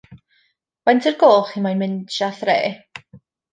Faint o'r gloch chi moyn mynd sha thre?